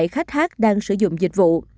hai mươi bảy khách hát đang sử dụng dịch vụ